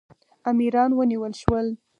امیران ونیول شول.